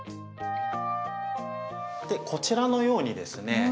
こちらのようにですね